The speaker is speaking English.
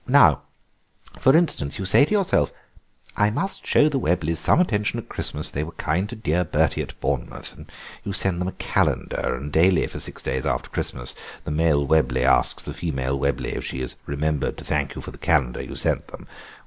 Now, for instance, you say to yourself: 'I must show the Webleys some attention at Christmas, they were kind to dear Bertie at Bournemouth,' and you send them a calendar, and daily for six days after Christmas the male Webley asks the female Webley if she has remembered to thank you for the calendar you sent them.